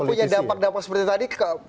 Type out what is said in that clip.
punya dampak dampak seperti tadi